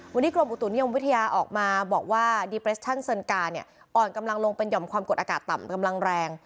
วันนี้กรมอุตุนิยมวิทยาออกมาบอกว่าดีเปรชั่นเซินกาเนี่ยอ่อนกำลังลงเป็นห่อมความกดอากาศต่ำกำลังแรง